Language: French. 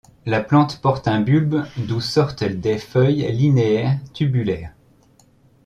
La plante porte un bulbe d'où sortent des feuilles linéaires, tubulaires.